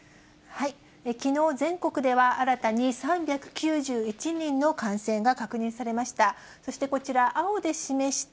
きのう、全国では新たに３９１人の感染が確認されました。